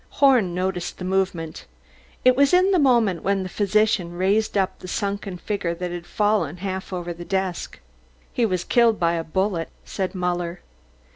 Horn noticed the movement; it was in the moment when the physician raised up the sunken figure that had fallen half over the desk. "He was killed by a bullet," said Muller.